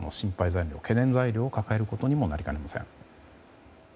材料懸念材料を抱えることにもなりかねません。